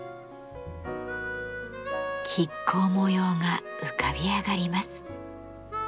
亀甲模様が浮かび上がります。